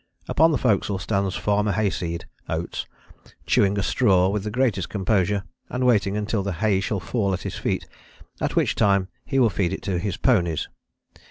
Upon the forecastle stands Farmer Hayseed (Oates) chewing a straw with the greatest composure, and waiting until the hay shall fall at his feet, at which time he will feed it to his ponies.